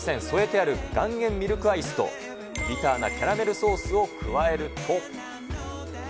添えてある岩塩ミルクアイスと、ビターなキャラメルソースを加えると。